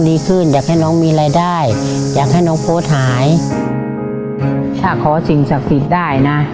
น้องน้ำหนึ่งน้องหนึ่งน้องหนึ่งน้อง